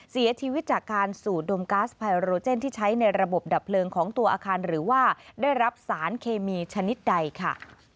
เสียชีวิตจากการสูดดมก๊าซไยโรเจนที่ใช้ในระบบดับเพลิงของตัวอาคารหรือว่าได้รับสารเคมีชนิดใดค่ะ